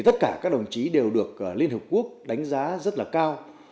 tất cả các đồng chí đều được liên hợp quốc đánh giá rất là cao